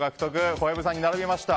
小籔さんに並びました。